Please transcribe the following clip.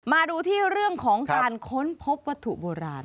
มาดูที่เรื่องของการค้นพบวัตถุโบราณ